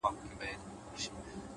هره لحظه د نوې ودې امکان لري’